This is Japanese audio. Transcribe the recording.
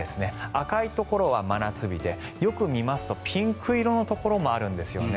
赤いところは真夏日でよく見ますとピンク色のところもあるんですよね。